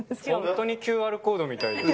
本当にＱＲコードみたい。